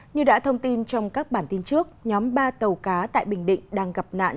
như đã thông tin trong các bản tin trước nhóm ba tàu cá tại bình định đang gặp nạn